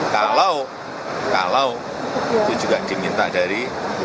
kalau itu juga diminta dari